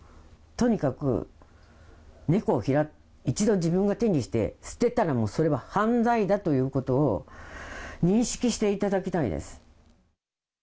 とにかく、猫を一度自分が手にして捨てたら、それは犯罪だということを認識していただきたいです。